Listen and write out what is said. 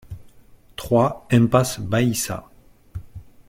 trois impasse Baïsa